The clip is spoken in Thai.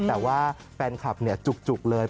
แต่ว่าแฟนคลับจุกเลย